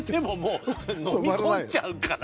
飲み込んじゃうから。